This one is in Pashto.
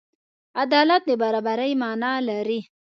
عدالت د برابري معنی لري.